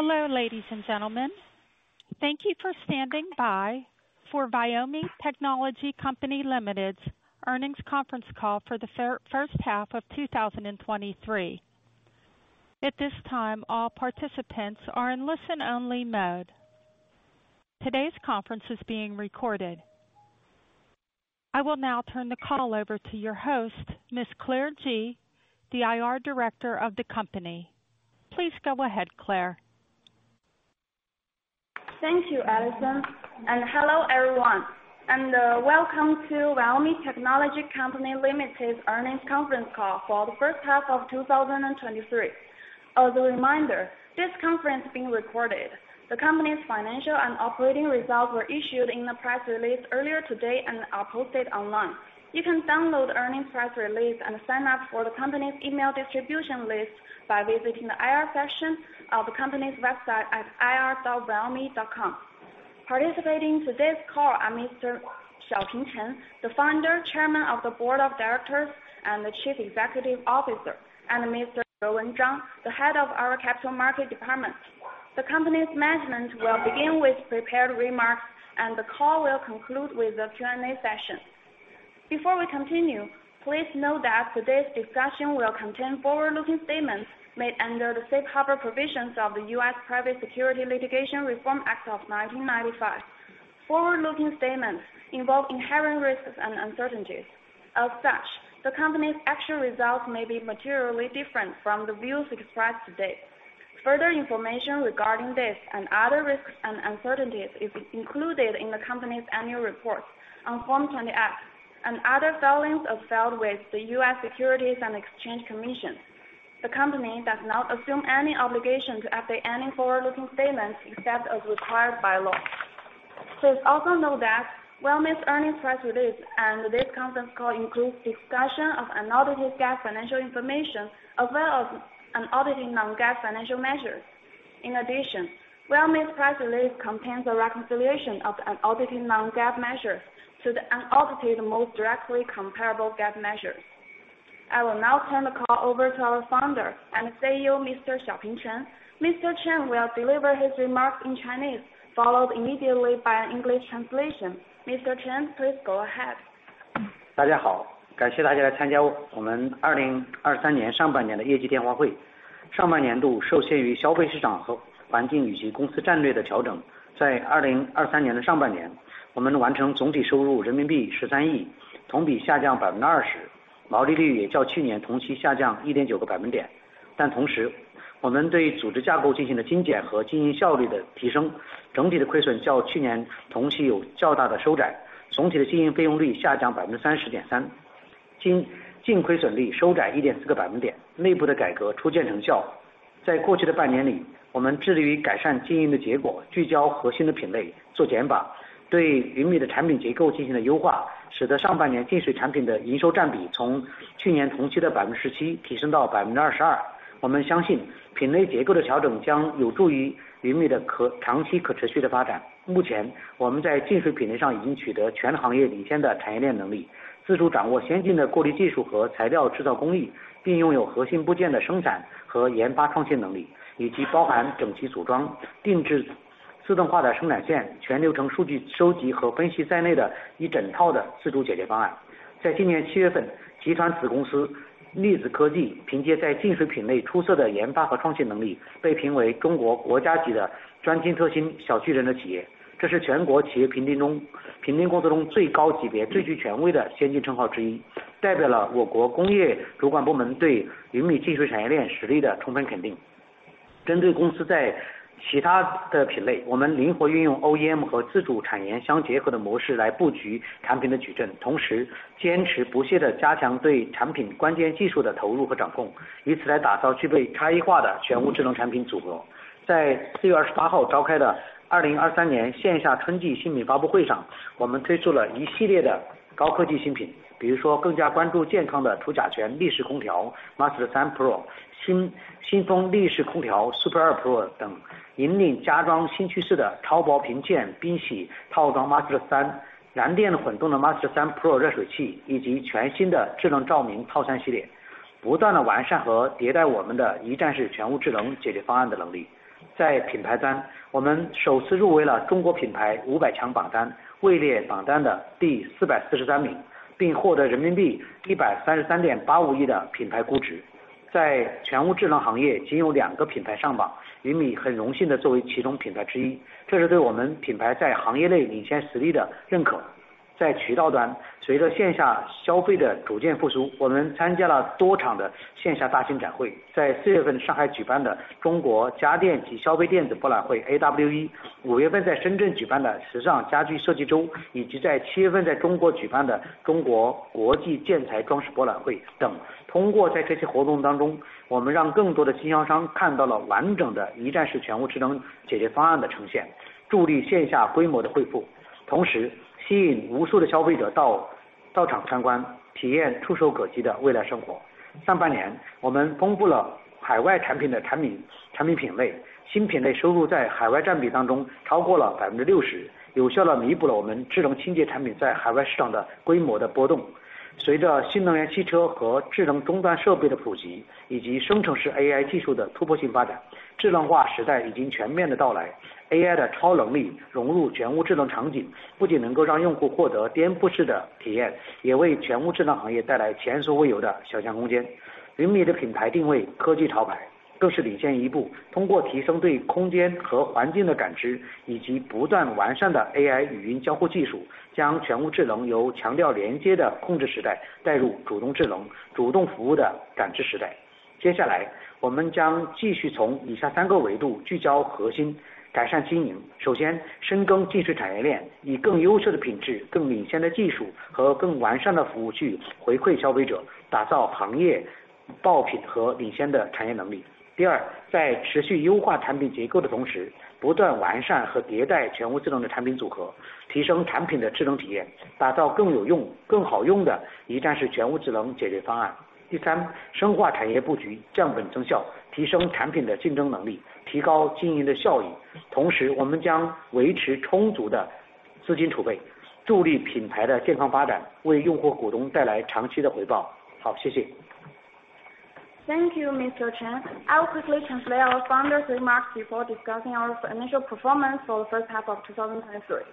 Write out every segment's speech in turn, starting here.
Hello ladies and gentlemen, thank you for standing by for Viomi Technology Company Limited's earnings conference call for the first half of 2023. At this time, all participants are in listen-only mode. Today's conference is being recorded. I will now turn the call over to your host, Miss Claire Ji, the IR director of the company. Please go ahead, Claire. Thank you, Allison, and hello everyone, and welcome to Viomi Technology Company Limited earnings conference call for the first half of 2023. As a reminder, this conference is being recorded. The company's financial and operating results were issued in the press release earlier today and are posted online. You can download the earnings press release and sign up for the company's email distribution list by visiting the IR section of the company's website at ir.viomi.com. Participating in today's call are Mr. Xiaoping Chen, the Founder, Chairman of the Board of Directors and the Chief Executive Officer, and Mr. Jinling Zhang, the Head of our Capital Market Department. The company's management will begin with prepared remarks, and the call will conclude with the Q&A session. Before we continue, please note that today's discussion will contain forward-looking statements made under the safe harbor provisions of the U.S. Private Securities Litigation Reform Act of 1995. Forward-looking statements involve inherent risks and uncertainties. As such, the company's actual results may be materially different from the views expressed today. Further information regarding this and other risks and uncertainties is included in the company's annual reports on Form 20-F and other filings as filed with the U.S. Securities and Exchange Commission. The company does not assume any obligation to update any forward-looking statements except as required by law. Please also know that Viomi's earnings press release and this conference call include discussion of unaudited GAAP financial information, as well as unaudited non-GAAP financial measures. In addition, Viomi's press release contains a reconciliation of unaudited non-GAAP measures to the unaudited most directly comparable GAAP measures. I will now turn the call over to our Founder and CEO, Mr. Xiaoping Chen. Mr. Chen will deliver his remarks in Chinese, followed immediately by an English translation. Mr. Chen, please go ahead. 大家好，感谢大家来参加我们2023年上半年的业绩电话会。上半年度受限于消费市场和环境以及公司战略的调整，在2023年上半年，我们完成总体收入RMB 1.3 billion，同比下降20%，毛利率也较去年同期下降1.9个百分点。同时，我们对组织架构进行了精简和经营效率的提升，整体的亏损较去年同期有较大的收窄，总体的经营费用率下降30.3%，净亏损率收窄1.4个百分点，内部的改革初见成效。在过去的半年里，我们致力于改善经营的结果，聚焦核心的品类，做减法，对云米的产品结构进行了优化，使得上半年净水产品的营收占比从去年同期的17%提升到22%。我们相信品类结构的调整将有助于云米的长期可持续的发展。目前我们在净水品类上已经取得全行业领先的产业链能力，自主掌握先进的过滤技术和材料制造工艺，并拥有核心部件的生产和研发创新能力，以及包含整机组装、定制、自动化的生产线、全流程数据收集和分析在内的一整套的自主解决方案。在今年七月份，集团子公司粒子科技凭借在净水品类出色的研发和创新能力，被评为中国国家级的“专精特新小巨人”企业，这是全国企业评定中，评定工作中最高级别、最具权威的先进称号之一，代表了我国工业主管部门对云米技术产业链实力的充分肯定。针对公司在其他的品类，我们灵活运用OEM和自主产研相结合的模式来布局产品的矩阵，坚持不懈地加强对产品关键技术的投入和掌控，以此来打造具备差异化的全屋智能产品组合。在4月28日召开的2023年线下春季新品发布会上，我们推出了一系列的高科技新品，比如说更加关注健康的除甲醛立式空调Master 3 Pro、新风立式空调Super 2 Pro等，引领家装新趋势的超薄平嵌冰洗套装Master 3、燃电混动的Master 3 Pro热水器，以及全新的智能照明套三系列，不断地完善和迭代我们的一站式全屋智能解决方案的能力。在品牌端，我们首次入围了中国品牌五百强榜单，位列榜单的第443名，并获得RMB 13.385 billion的品牌估值。在全屋智能行业仅有两个品牌上榜，云米很荣幸地作为其中品牌之一，这是对我们品牌在行业内领先实力的认可。Thank you, Mr. Chen. I'll quickly translate our Founder's remarks before discussing our financial performance for the first half of 2023.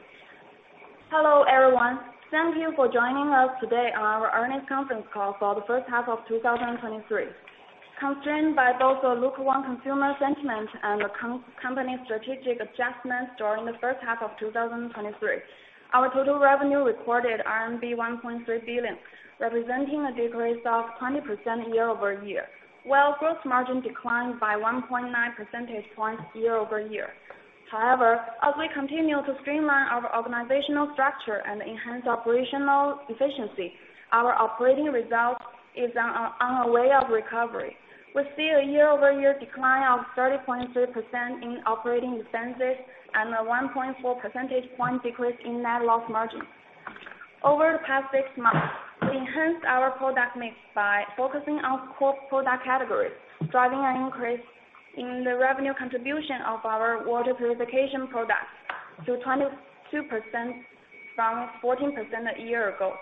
Hello, everyone. Thank you for joining us today on our earnings conference call for the first half of 2023. Constrained by both the lukewarm consumer sentiment and the company's strategic adjustments during the first half of 2023, our total revenue recorded RMB 1.3 billion, representing a decrease of 20% year-over-year, while gross margin declined by 1.9 percentage points year-over-year. However, as we continue to streamline our organizational structure and enhance operational efficiency, our operating result is on a way of recovery. We see a year-over-year decline of 30.3% in operating expenses and a 1.4 percentage point decrease in net loss margin. Over the past six months, we enhanced our product mix by focusing on core product categories, driving an increase in the revenue contribution of our water purification products to 22% from 14% a year ago.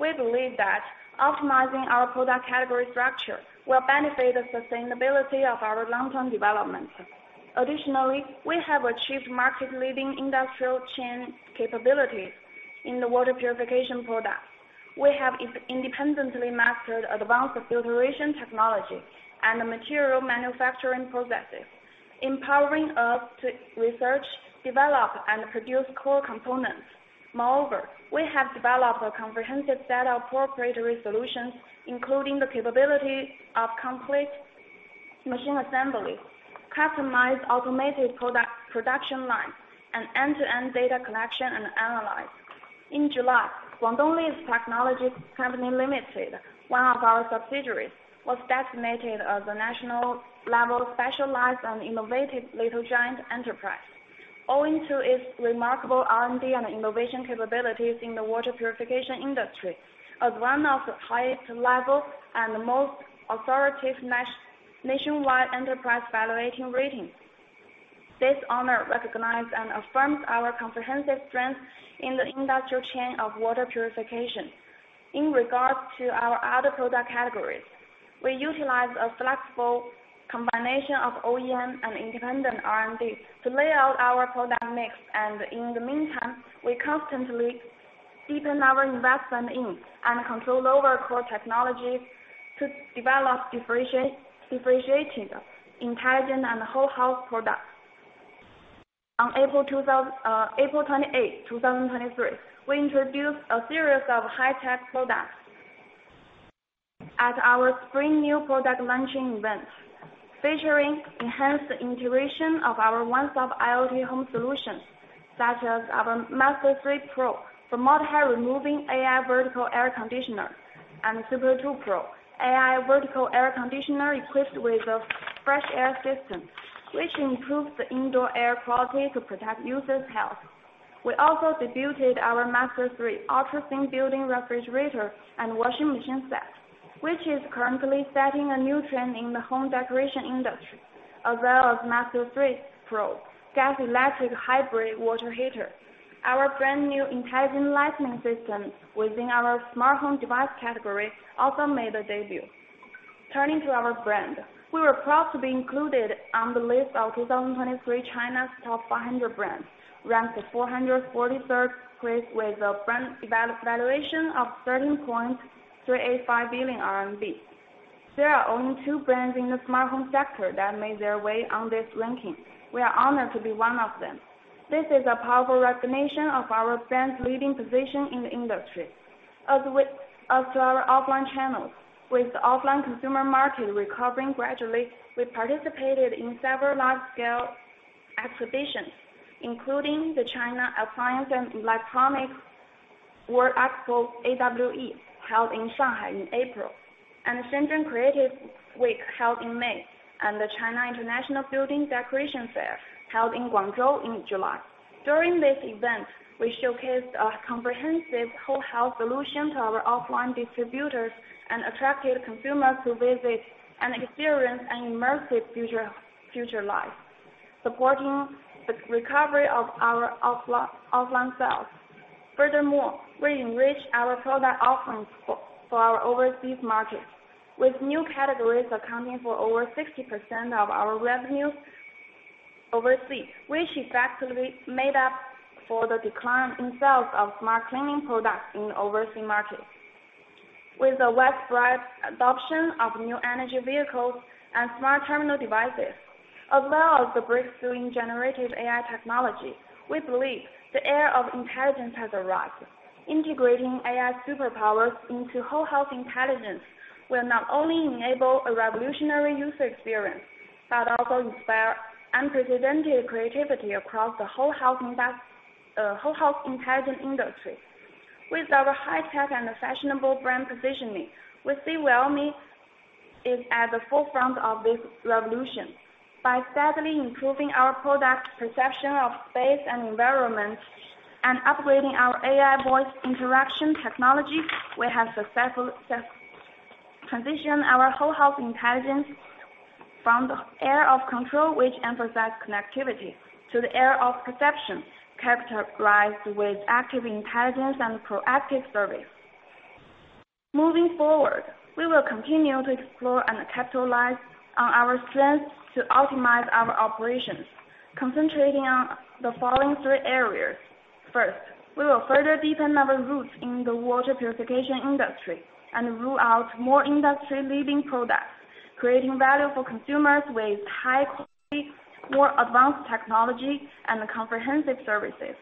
We believe that optimizing our product category structure will benefit the sustainability of our long-term development. Additionally, we have achieved market-leading industrial chain capabilities in the water purification products. We have independently mastered advanced filtration technology and the material manufacturing processes, empowering us to research, develop, and produce core components. Moreover, we have developed a comprehensive set of proprietary solutions, including the capabilities of complete machine assembly, customized automated product production lines, and end-to-end data collection and analysis. In July, Dongguan Liyi Environmental Technology Company Limited, one of our subsidiaries, was designated as a national-level specialized and innovative little giant enterprise. Owing to its remarkable R&D and innovation capabilities in the water purification industry, as one of the highest level and most authoritative nationwide enterprise evaluating ratings. This honor recognized and affirms our comprehensive strength in the industrial chain of water purification. In regards to our other product categories, we utilize a flexible combination of OEM and independent R&D to lay out our product mix, and in the meantime, we constantly deepen our investment in and control over core technologies to develop differentiated, intelligent, and whole house products. On April 28, 2023, we introduced a series of high-tech products at our spring new product launching event, featuring enhanced integration of our one-stop IoT home solutions, such as our Master 3 Pro, the formaldehyde-removing AI vertical air conditioner, and Super 2 Pro AI vertical air conditioner equipped with a fresh air system, which improves the indoor air quality to protect users' health. We also debuted our Master 3 ultra-thin built-in refrigerator and washing machine set, which is currently setting a new trend in the home decoration industry, as well as Master 3 Pro gas/electric hybrid water heater. Our brand new intelligent lighting system within our smart home device category also made a debut. Turning to our brand, we were proud to be included on the list of 2023 China's top 500 brands, ranked 443rd place with a brand valuation of 13.385 billion RMB. There are only two brands in the smart home sector that made their way on this ranking. We are honored to be one of them. This is a powerful recognition of our brand's leading position in the industry. As to our offline channels, with offline consumer market recovering gradually, we participated in several large-scale exhibitions, including the China Appliance & Electronics World Expo, AWE, held in Shanghai in April, and Shenzhen Creative Week, held in May, and the China International Building Decoration Fair, held in Guangzhou in July. During these events, we showcased our comprehensive whole health solution to our offline distributors and attracted consumers to visit and experience an immersive future future life, supporting the recovery of our offline sales. Furthermore, we enrich our product offerings for our overseas markets, with new categories accounting for over 60% of our revenues overseas, which effectively made up for the decline in sales of smart cleaning products in the overseas market. With the widespread adoption of new energy vehicles and smart terminal devices, as well as the breakthrough in generative AI technology, we believe the era of intelligence has arrived. Integrating AI superpowers into whole-house intelligence will not only enable a revolutionary user experience, but also inspire unprecedented creativity across the whole-house intelligence industry. With our high-tech and fashionable brand positioning, we see Viomi is at the forefront of this revolution. By steadily improving our product perception of space and environment, and upgrading our AI voice interaction technology, we have successfully transitioned our whole house intelligence from the era of control, which emphasizes connectivity, to the era of perception, characterized with active intelligence and proactive service. Moving forward, we will continue to explore and capitalize on our strengths to optimize our operations, concentrating on the following three areas. First, we will further deepen our roots in the water purification industry and roll out more industry-leading products, creating value for consumers with high quality, more advanced technology, and comprehensive services.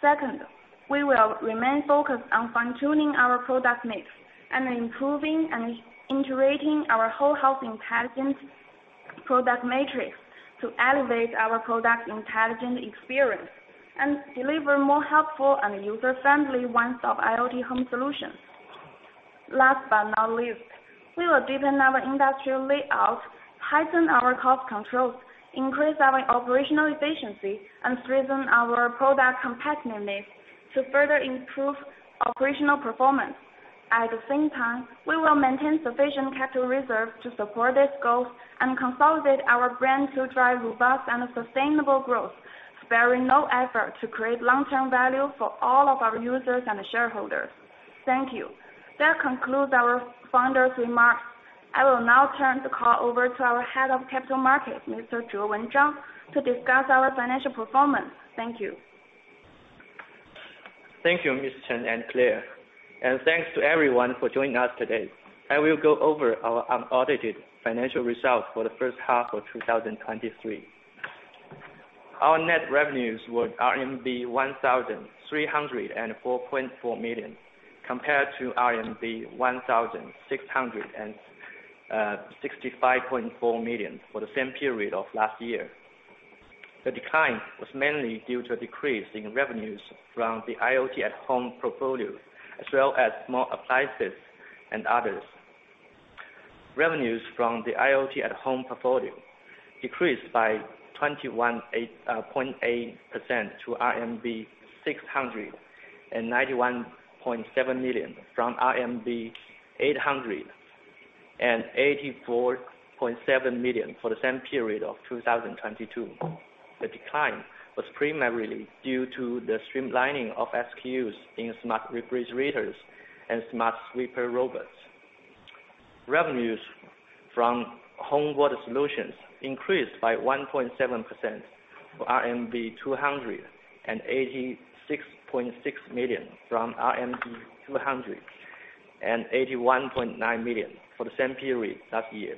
Second, we will remain focused on fine-tuning our product mix, and improving and integrating our whole-house intelligence product matrix to elevate our product intelligence experience, and deliver more helpful and user-friendly one-stop IoT home solutions. Last but not least, we will deepen our industrial layout, heighten our cost controls, increase our operational efficiency, and strengthen our product competitiveness to further improve operational performance. At the same time, we will maintain sufficient capital reserves to support these goals and consolidate our brand to drive robust and sustainable growth, sparing no effort to create long-term value for all of our users and shareholders. Thank you. That concludes our Founder's remarks. I will now turn the call over to our Head of Capital Market, Mr. Jinling Zhang, to discuss our financial performance. Thank you. Thank you, Mr. Chen and Claire, and thanks to everyone for joining us today. I will go over our unaudited financial results for the first half of 2023. Our net revenues were RMB 1,304.4 million, compared to RMB 1,665.4 million for the same period of last year. The decline was mainly due to a decrease in revenues from the IoT at home portfolio, as well as smart appliances and others. Revenues from the IoT at home portfolio decreased by 21.8% to RMB 691.7 million, from RMB 884.7 million for the same period of 2022. The decline was primarily due to the streamlining of SKUs in smart refrigerators and smart sweeper robots. Revenues from home water solutions increased by 1.7% to 286.6 million, from RMB 281.9 million for the same period last year.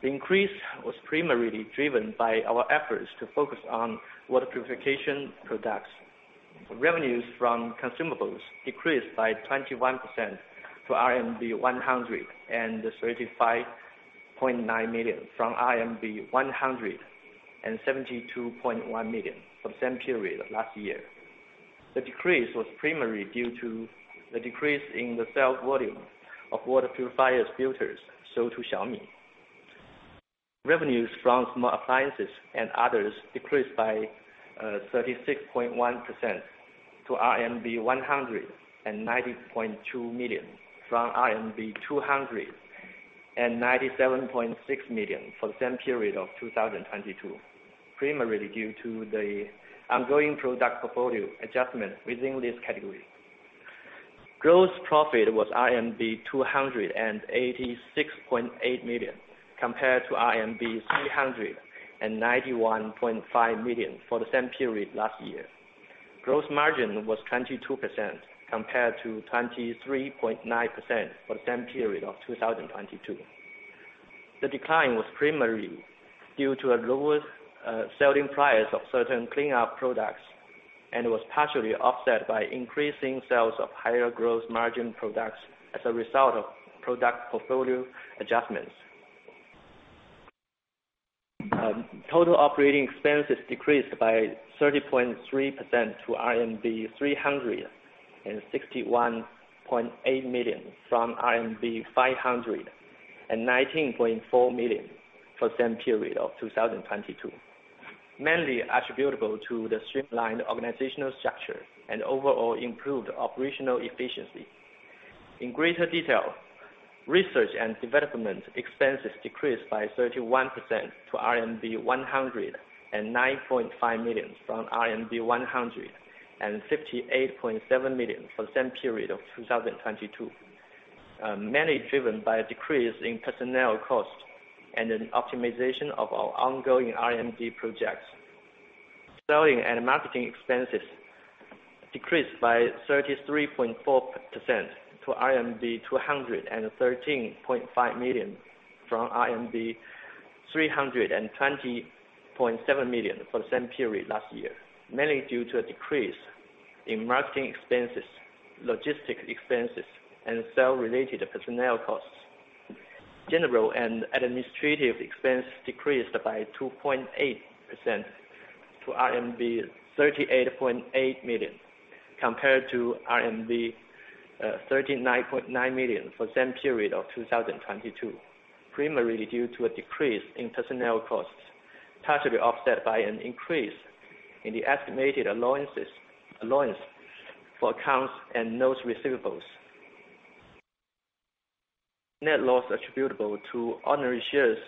The increase was primarily driven by our efforts to focus on water purification products. Revenues from consumables decreased by 21% to RMB 135.9 million, from RMB 172.1 million for the same period of last year. The decrease was primarily due to the decrease in the sales volume of water purifiers filters sold to Xiaomi. Revenues from small appliances and others decreased by 36.1% to RMB 190.2 million, from RMB 297.6 million for the same period of 2022, primarily due to the ongoing product portfolio adjustment within this category. Gross profit was RMB 286.8 million, compared to RMB 391.5 million for the same period last year. Gross margin was 22%, compared to 23.9% for the same period of 2022. The decline was primarily due to a lower selling price of certain cleanup products, and was partially offset by increasing sales of higher growth margin products as a result of product portfolio adjustments. Total operating expenses decreased by 30.3% to RMB 361.8 million, from RMB 519.4 million for the same period of 2022. Mainly attributable to the streamlined organizational structure and overall improved operational efficiency. In greater detail, research and development expenses decreased by 31% to RMB 109.5 million, from RMB 158.7 million for the same period of 2022. Mainly driven by a decrease in personnel costs and an optimization of our ongoing R&D projects. Selling and marketing expenses decreased by 33.4% to RMB 213.5 million, from RMB 320.7 million for the same period last year, mainly due to a decrease in marketing expenses, logistics expenses, and sale-related personnel costs. General and administrative expense decreased by 2.8% to RMB 38.8 million, compared to RMB 39.9 million for the same period of 2022. Primarily due to a decrease in personnel costs, partially offset by an increase in the estimated allowances, allowance for accounts and notes receivables. Net loss attributable to ordinary shares,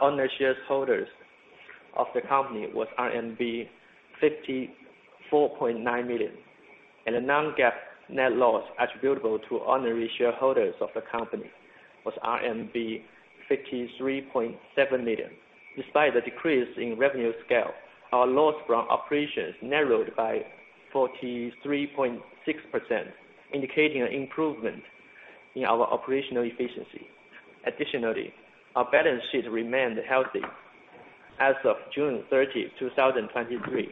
ordinary shareholders of the company was RMB 54.9 million, and a non-GAAP net loss attributable to ordinary shareholders of the company was RMB 53.7 million. Despite the decrease in revenue scale, our loss from operations narrowed by 43.6%, indicating an improvement in our operational efficiency. Additionally, our balance sheet remained healthy. As of June 30, 2023,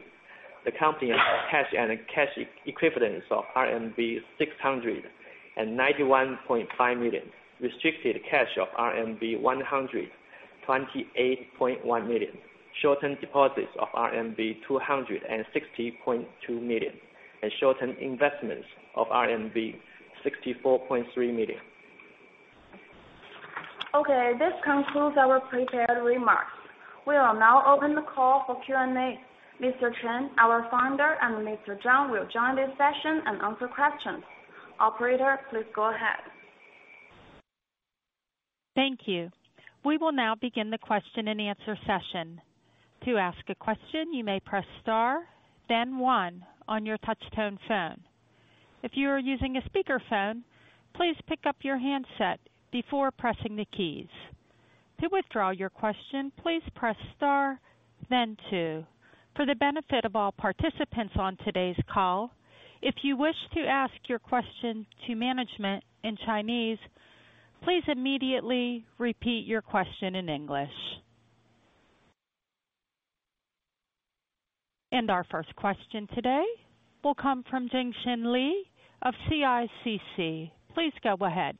the company had cash and cash equivalents of RMB 691.5 million, restricted cash of RMB 128.1 million, short-term deposits of RMB 260.2 million, and short-term investments of RMB 64.3 million. Okay, this concludes our prepared remarks. We will now open the call for Q&A. Mr. Chen, our Founder, and Mr. Zhang will join this session and answer questions. Operator, please go ahead. Thank you. We will now begin the question-and-answer session. To ask a question, you may press star, then one on your touchtone phone. If you are using a speakerphone, please pick up your handset before pressing the keys. To withdraw your question, please press star then two. For the benefit of all participants on today's call, if you wish to ask your question to management in Chinese, please immediately repeat your question in English. Our first question today will come from Jingxin Li of CICC. Please go ahead.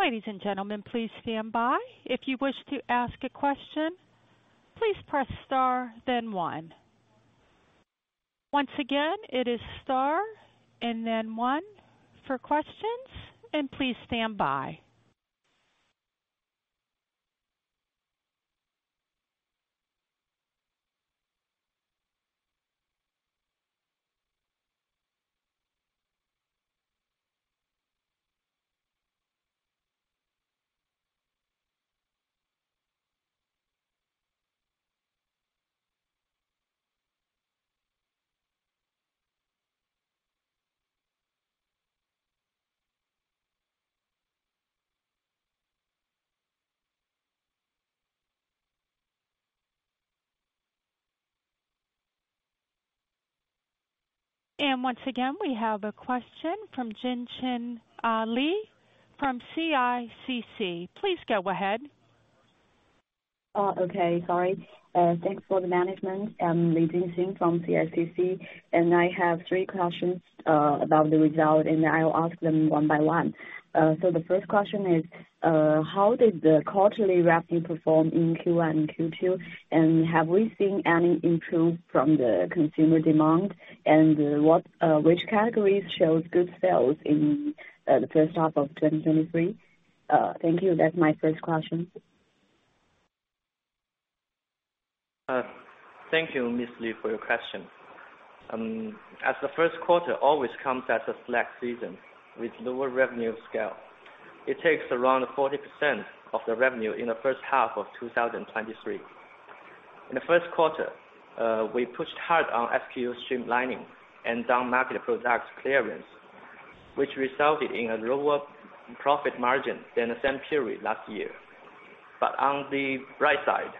Ladies and gentlemen, please stand by. If you wish to ask a question, please press star, then one. Once again, it is star and then one for questions, and please stand by. Once again, we have a question from Jingxin Li from CICC. Please go ahead. Okay. Sorry. Thanks for the management. I'm Li Jingxin from CICC, and I have three questions about the results, and I will ask them one by one. So the first question is: How did the quarterly revenue perform in Q1 and Q2? And have we seen any improvement from the consumer demand? And what—which categories showed good sales in the first half of 2023? Thank you. That's my first question. Thank you, Miss Li, for your question. As the first quarter always comes as a slack season with lower revenue scale, it takes around 40% of the revenue in the first half of 2023. In the first quarter, we pushed hard on SKU streamlining and down-market product clearance, which resulted in a lower profit margin than the same period last year. But on the bright side,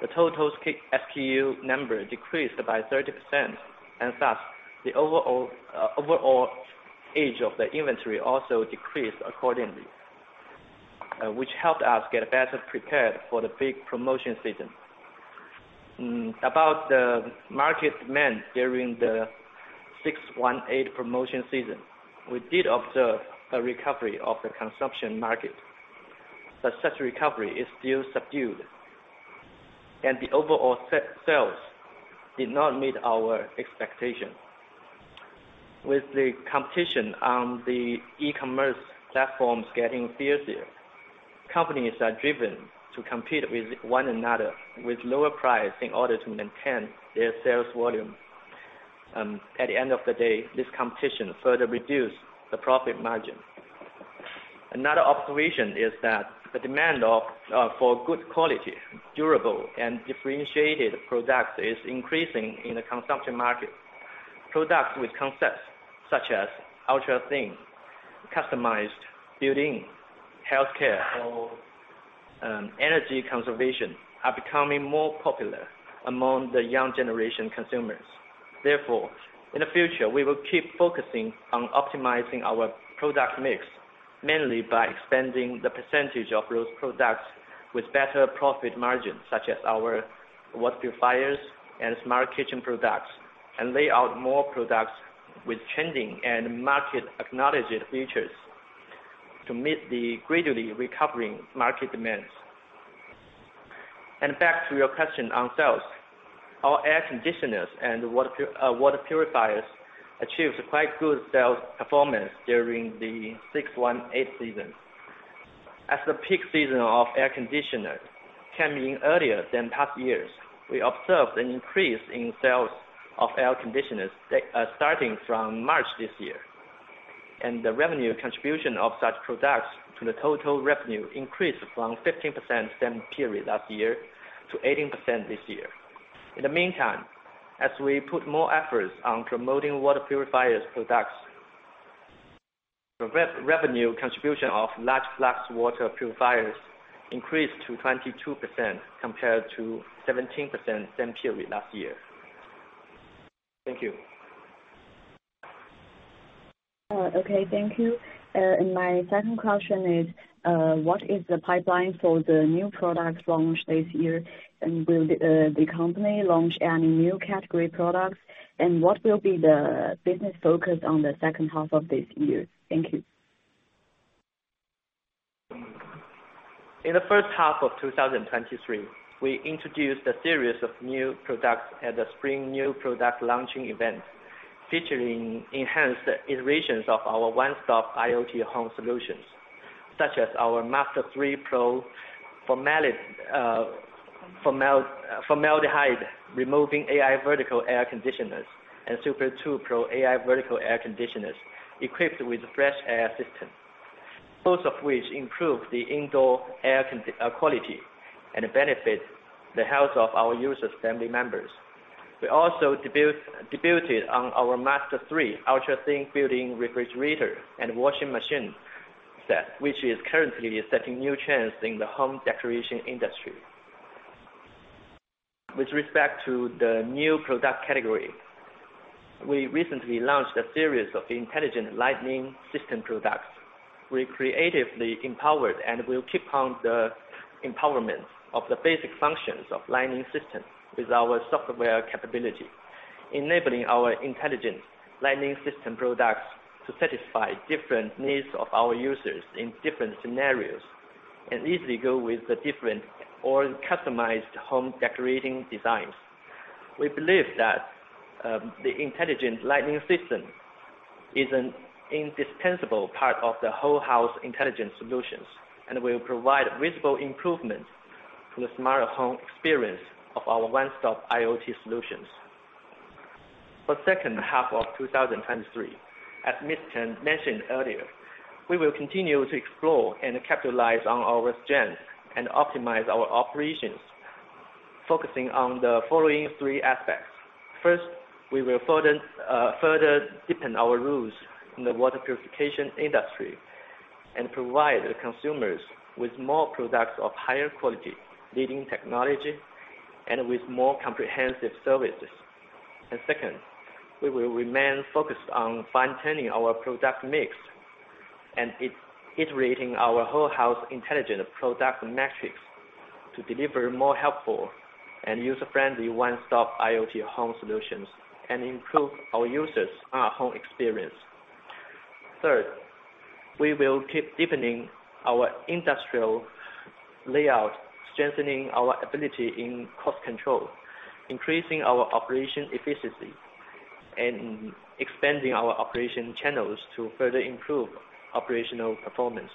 the total SKU number decreased by 30%, and thus, the overall overall age of the inventory also decreased accordingly, which helped us get better prepared for the big promotion season. About the market demand during the 618 promotion season, we did observe a recovery of the consumption market, but such recovery is still subdued, and the overall sales did not meet our expectation. With the competition on the e-commerce platforms getting fiercer, companies are driven to compete with one another with lower price in order to maintain their sales volume. At the end of the day, this competition further reduced the profit margin. Another observation is that the demand for good quality, durable, and differentiated products is increasing in the consumption market. Products with concepts such as ultra-thin, customized, built-in, healthcare, or, energy conservation, are becoming more popular among the young generation consumers. Therefore, in the future, we will keep focusing on optimizing our product mix, mainly by expanding the percentage of those products with better profit margins, such as our water purifiers and smart kitchen products, and lay out more products with trending and market-acknowledged features to meet the gradually recovering market demands. And back to your question on sales. Our air conditioners and water purifiers achieved a quite good sales performance during the 618 season. As the peak season of air conditioners came in earlier than past years, we observed an increase in sales of air conditioners starting from March this year. And the revenue contribution of such products to the total revenue increased from 15% same period last year to 18% this year. In the meantime, as we put more efforts on promoting water purifiers products, the revenue contribution of large flux water purifiers increased to 22%, compared to 17% same period last year. Thank you. Okay, thank you. And my second question is, what is the pipeline for the new products launched this year? And will the, the company launch any new category products? And what will be the business focus on the second half of this year? Thank you. In the first half of 2023, we introduced a series of new products at the spring new product launching event, featuring enhanced iterations of our one-stop IoT home solutions, such as our Master 3 Pro formaldehyde-removing AI vertical air conditioners, and Super 2 Pro AI vertical air conditioners, equipped with fresh air system. Both of which improve the indoor air quality and benefit the health of our user's family members. We also debuted our Master 3 ultra-thin built-in refrigerator and washing machine set, which is currently setting new trends in the home decoration industry. With respect to the new product category, we recently launched a series of intelligent lighting system products. We creatively empowered and will keep on the empowerment of the basic functions of lighting system with our software capability, enabling our intelligent lighting system products to satisfy different needs of our users in different scenarios, and easily go with the different or customized home decorating designs. We believe that the intelligent lighting system is an indispensable part of the whole house intelligent solutions, and will provide visible improvements to the smarter home experience of our one-stop IoT solutions. For second half of 2023, as Mr. Chen mentioned earlier, we will continue to explore and capitalize on our strengths and optimize our operations, focusing on the following three aspects. First, we will further deepen our roots in the water purification industry and provide the consumers with more products of higher quality, leading technology, and with more comprehensive services. Second, we will remain focused on fine-tuning our product mix and iterating our whole house intelligent product matrix to deliver more helpful and user-friendly one-stop IoT home solutions, and improve our users' home experience. Third, we will keep deepening our industrial layout, strengthening our ability in cost control, increasing our operation efficiency, and expanding our operation channels to further improve operational performance.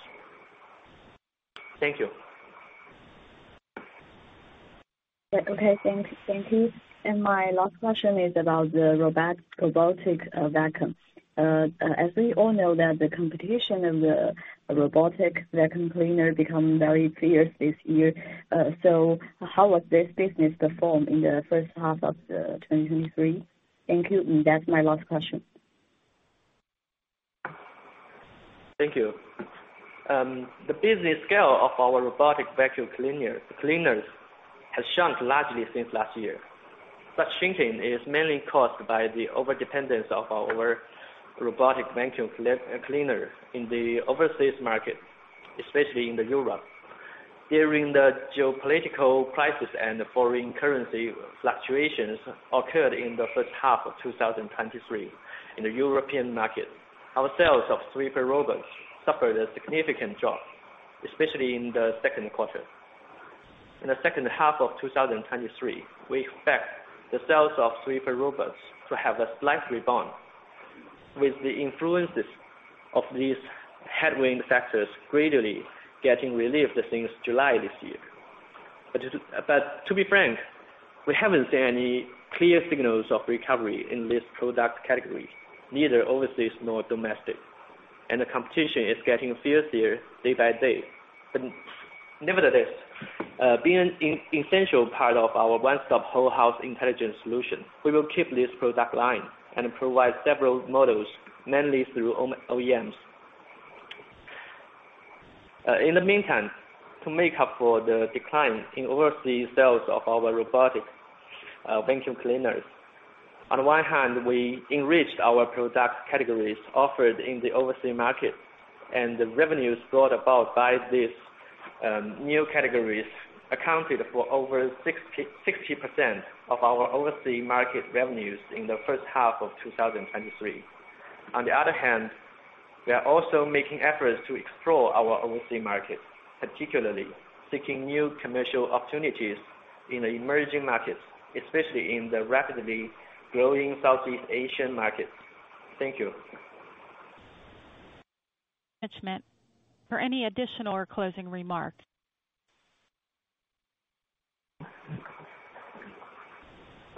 Thank you. Okay, thanks. Thank you. My last question is about the robot, robotic, vacuum. As we all know that the competition of the robotic vacuum cleaner become very fierce this year. So how was this business performed in the first half of 2023? Thank you, and that's my last question. Thank you. The business scale of our robotic vacuum cleaners has shrunk largely since last year. Such shrinking is mainly caused by the overdependence of our robotic vacuum cleaners in the overseas market, especially in the Europe. During the geopolitical crisis and the foreign currency fluctuations occurred in the first half of 2023 in the European market, our sales of sweeper robots suffered a significant drop, especially in the second quarter. In the second half of 2023, we expect the sales of sweeper robots to have a slight rebound, with the influences of these headwind factors gradually getting relieved since July this year. But to be frank, we haven't seen any clear signals of recovery in this product category, neither overseas nor domestic, and the competition is getting fiercer day by day. But nevertheless, being an in-essential part of our one-stop whole house intelligence solution, we will keep this product line and provide several models, mainly through OEMs. In the meantime, to make up for the decline in overseas sales of our robotic vacuum cleaners, on one hand, we enriched our product categories offered in the overseas market, and the revenues brought about by these new categories accounted for over 60% of our overseas market revenues in the first half of 2023. On the other hand, we are also making efforts to explore our overseas markets, particularly seeking new commercial opportunities in the emerging markets, especially in the rapidly growing Southeast Asian markets. Thank you.... For any additional or closing remarks.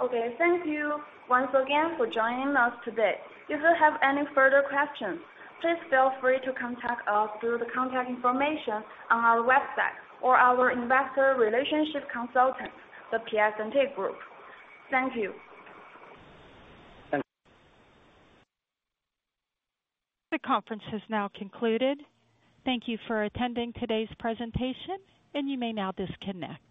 Okay, thank you once again for joining us today. If you have any further questions, please feel free to contact us through the contact information on our website or our investor relationship consultants, The Piacente Group. Thank you. Thank you. The conference has now concluded. Thank you for attending today's presentation, and you may now disconnect.